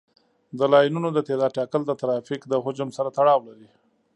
د لاینونو د تعداد ټاکل د ترافیک د حجم سره تړاو لري